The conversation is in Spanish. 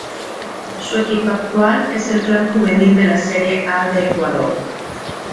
Su equipo actual es el Clan Juvenil de la Serie A de Ecuador.